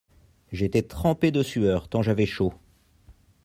J'étais trempé de sueur tant j'avais chaud.